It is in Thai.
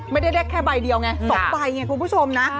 ไม่ได้ได้แค่ใบเดียวไง๒ใบไงคุณผู้ชมนะ